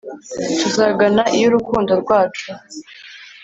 tuzagana iy’urukundo rwacu